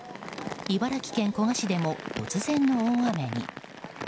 茨城県古河市でも突然の大雨に。